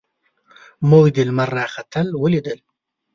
موږ د لمر راختل ولیدل.